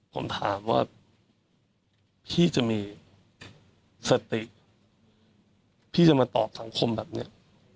ผมถามว่าพี่จะมีสติพี่จะมาตอบสังคมแบบนี้